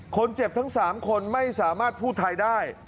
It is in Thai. คนเจ็บทั้ง๓คนไม่สามารถพูดไทยได้